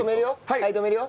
はい止めるよ。